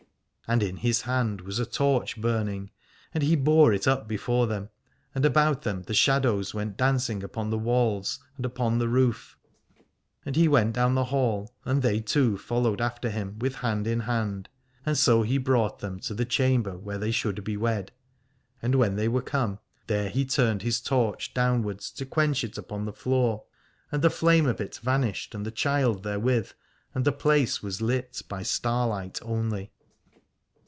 And in his hand was a torch burning, and he bore it up before them, and about them the shadows went dancing upon the walls and upon the roof : and he went down the hall, and they two followed after him with hand in hand, and so he brought them to the chamber where they should be wed. And when they were come there he turned his torch downwards 267 Alad ore to quench it upon the floor: and the flame of it vanished and the child therewith, and the place was lit by starlight only.